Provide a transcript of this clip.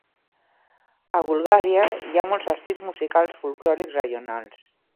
A Bulgària hi ha molts estils musicals folklòrics regionals.